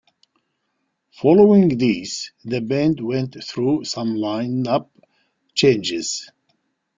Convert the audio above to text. Following this, the band went through some line-up changes.